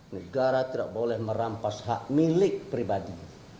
negara tidak boleh merampas hak milik pribadi